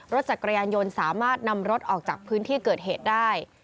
รถจักรยานยนต์สามารถนำรถออกจากพื้นที่เกิดเหตุได้